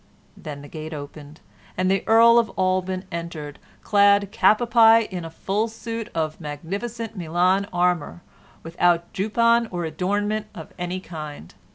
Then the gate opened, and the Earl of Alban entered, clad cap a pie in a full suit of magnificent Milan armor without juppon or adornment of any kind.